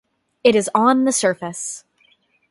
It is on the surface.